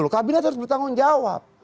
kabinet harus bertanggung jawab